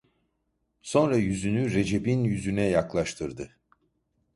Sora yüzünü Recep'in yüzüne yaklaştırdı.